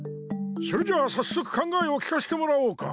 それじゃあさっそく考えを聞かしてもらおうか。